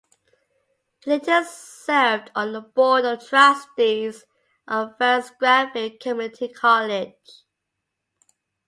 He later served on the Board of Trustees of Vance-Granville Community College.